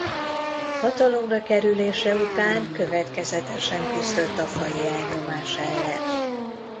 Hatalomra kerülése után következetesen küzdött a faji elnyomás ellen.